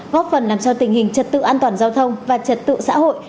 góp phần làm cho tình hình trật tự an toàn giao thông và trật tự xã hội